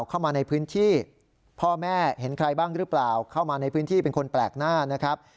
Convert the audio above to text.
เข้ามาในพื้นที่พ่อแม่เห็นใครบ้างหรือเปล่าเข้ามาในพื้นที่เป็นคนแปลกหน้านะครับ